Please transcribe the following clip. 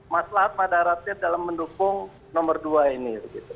mas lat dan madaratnya dalam mendukung nomor dua ini